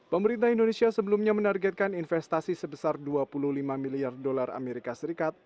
pemerintah indonesia sebelumnya menargetkan investasi sebesar dua puluh lima miliar dolar amerika serikat